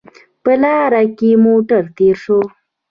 په لاره کې موټر تېر شو